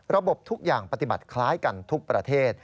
ทุกอย่างปฏิบัติคล้ายกันทุกประเทศ